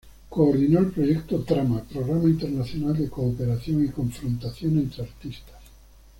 Coordinó el Proyecto Trama, programa internacional de cooperación y confrontación entre artistas.